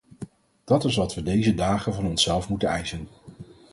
Dat is wat we deze dagen van onszelf moeten eisen!